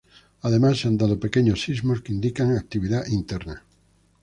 Además, se han dado pequeños sismos que indican actividad interna.